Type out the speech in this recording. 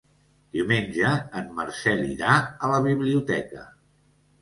Diumenge en Marcel irà a la biblioteca.